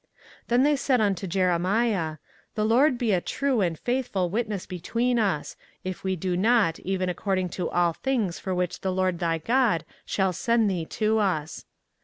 24:042:005 Then they said to Jeremiah, The LORD be a true and faithful witness between us, if we do not even according to all things for the which the LORD thy God shall send thee to us.